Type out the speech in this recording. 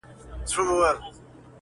د ژوندیو په کورونو کي به غم وي!.